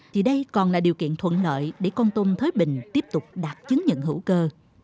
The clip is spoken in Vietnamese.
thì đây còn là điều kiện thuận lợi để con tôm thới bình tiếp tục đạt chứng nhận hữu cơ